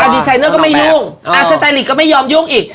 ดีไซเนอร์ก็ไม่ยุ่งสไตลิกก็ไม่ยอมยุ่งอีก